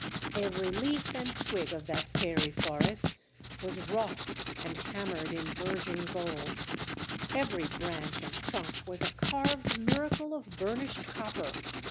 Every leaf and twig of that fairy forest was wrought and hammered in virgin gold, every branch and trunk was a carved miracle of burnished copper.